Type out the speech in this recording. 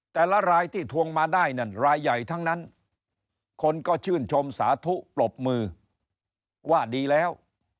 รายที่ทวงมาได้นั่นรายใหญ่ทั้งนั้นคนก็ชื่นชมสาธุปรบมือว่าดีแล้ว